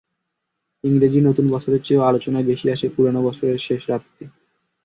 ইংরেজি নতুন বছরের চেয়েও আলোচনায় বেশি আসে পুরোনো বছরের শেষ রাতটি।